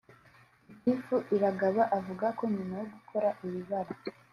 Gitifu Iragaba avuga ko nyuma yo gukora iri bara